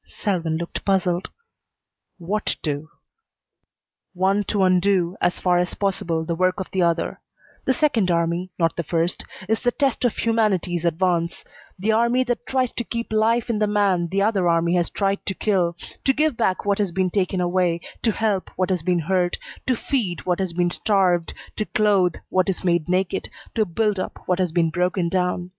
Selwyn looked puzzled. "What two?" "One to undo, as far as possible, the work of the other. The second army, not the first, is the test of humanity's advance; the army that tries to keep life in the man the other army has tried to kill, to give back what has been taken away, to help what has been hurt, to feed what has been starved, to clothe what is made naked, to build up what has been broken down.